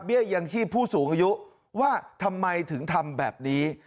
เบี้ยอย่างที่ผู้สูงอายุว่าทำไมถึงทำแบบนี้